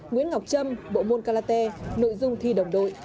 nguyễn ngọc trâm bộ môn calate nội dung thi đồng đội